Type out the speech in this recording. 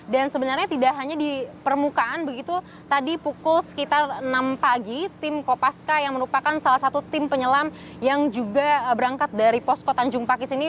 dan sebenarnya tidak hanya di permukaan tadi pukul sekitar enam pagi tim kopaska yang merupakan salah satu tim penyelam yang juga berangkat dari posko tanjung pakis ini